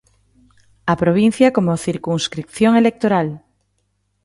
A provincia como circunscrición electoral.